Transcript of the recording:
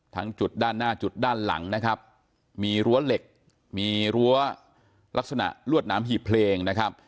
ทั้งจุดด้านหน้าจุดด้านหลังนะครับมีรั้วเหล็กมีรั้วลักษณะลวดน้ำหีบเพลงนะครับ